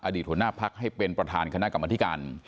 หัวหน้าพักให้เป็นประธานคณะกรรมธิการ